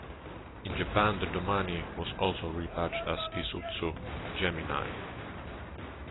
In Japan, the Domani was also rebadged as the Isuzu Gemini.